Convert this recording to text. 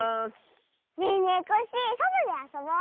ねえねえコッシーそとであそぼう！